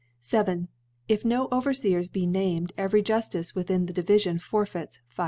If no Overfeers be named, every Juftice within the Divifion forfeits 5